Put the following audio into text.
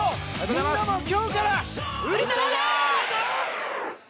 みんなも今日からウルトラだ！